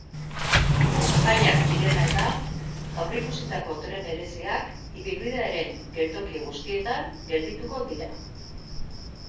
Jaiak direla-eta aurreikusitako tren bereziak ibilbidearen geltoki guztietan geldituko dira.